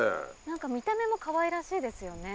何か見た目もかわいらしいですよね。